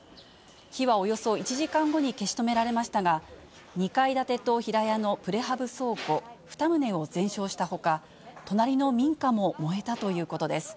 火はおよそ１時間後に消し止められましたが、２階建てと平屋のプレハブ倉庫２棟を全焼したほか、隣の民家も燃えたということです。